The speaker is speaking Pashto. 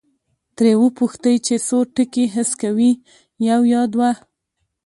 ترې وپوښتئ چې څو ټکي حس کوي، یو یا دوه؟